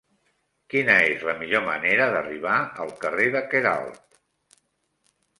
Quina és la millor manera d'arribar al carrer de Queralt?